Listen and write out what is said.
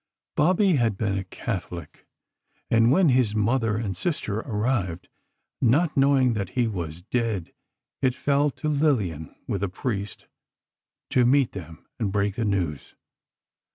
Bobby had been a Catholic, and when his mother and sister arrived, not knowing that he was dead, it fell to Lillian, with a priest, to meet them and break the news.